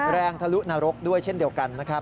ทะลุนรกด้วยเช่นเดียวกันนะครับ